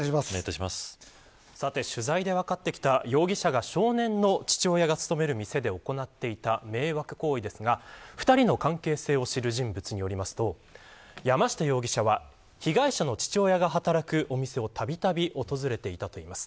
取材で分かってきた、容疑者が少年の父親が勤める店で行っていた迷惑行為ですが２人の関係性を知る人物によりますと山下容疑者は被害者の父親が働くお店をたびたび訪れていたといいます。